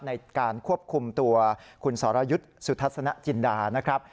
ในการควบคุมตัวคุณสรยุทธ์สุทัศนจินดานะครับ